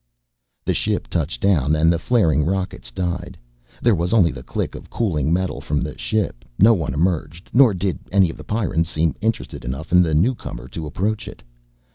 The ship touched down and the flaring rockets died. There was only the click of cooling metal from the ship: no one emerged, nor did any of the Pyrrans seem interested enough in the newcomer to approach it.